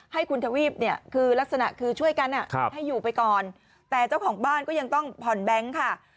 ให้คุณทวีปเนี่ยคือลักษณะคือช่วยกันให้อยู่ไปก่อนแต่เจ้าของบ้านก็ยังต้องผ่อนแบงค์ค่ะ